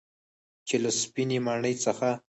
چې له سپینې ماڼۍ څخه